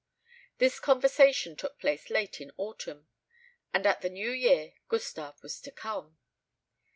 This conversation took place late in autumn, and at the new year Gustave was to come.